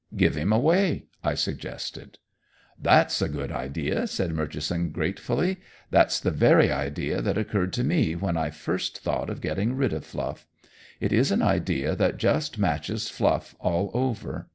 "Give him away," I suggested. "That's a good idea!" said Murchison gratefully. "That's the very idea that occurred to me when I first thought of getting rid of Fluff. It is an idea that just matches Fluff all over.